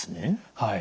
はい。